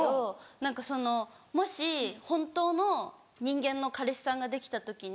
何かそのもし本当の人間の彼氏さんができた時に。